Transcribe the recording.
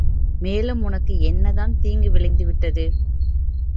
மேலும் உனக்கு என்னதான் தீங்கு விளைந்து விட்டது?